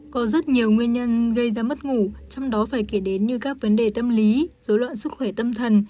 có rất nhiều nguyên nhân gây ra mất ngủ trong đó phải kể đến như các vấn đề tâm lý dối loạn sức khỏe tâm thần